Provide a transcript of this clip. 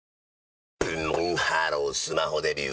［そして］ブンブンハロースマホデビュー！